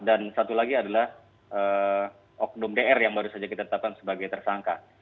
dan satu lagi adalah oknum dr yang baru saja kita tetapkan sebagai tersangka